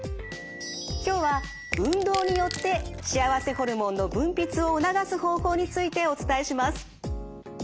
今日は運動によって幸せホルモンの分泌を促す方法についてお伝えします。